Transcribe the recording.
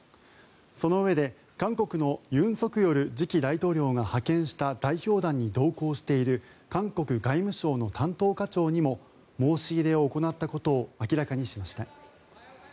そのうえで韓国の尹錫悦次期大統領が派遣した代表団に同行している韓国外務省の担当課長にも申し入れを行ったことを明らかにしました。